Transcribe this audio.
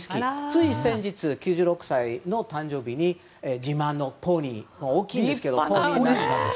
つい先日、９６歳の誕生日に自慢のポニー大きいんですが。